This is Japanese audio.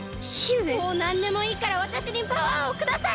もうなんでもいいからわたしにパワーをください！